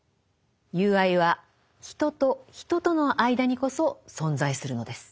友愛は人と人との間にこそ存在するのです。